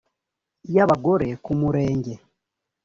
y abagore ku murenge